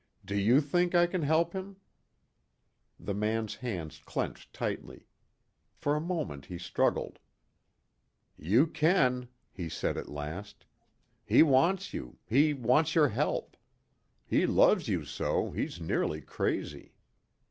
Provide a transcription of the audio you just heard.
"Do you think I can help him?" The man's hands clenched tightly. For a moment he struggled. "You can," he said at last. "He wants you; he wants your help. He loves you so, he's nearly crazy."